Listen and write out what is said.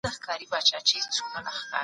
تاسو باید په خپلو زده کړو تمرکز وکړئ.